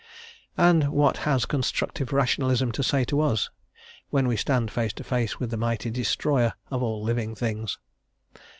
And what has constructive Rationalism to say to us, when we stand face to face with the mighty destroyer of all living things?